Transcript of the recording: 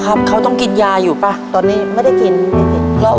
ทับผลไม้เยอะเห็นยายบ่นบอกว่าเป็นยังไงครับ